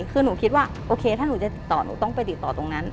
คือหนูคิดว่าโอเคถ้าหนูจะติดต่อหนูต้องไปติดต่อตรงนั้น